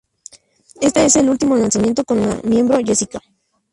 Este es el último lanzamiento con la miembro Jessica.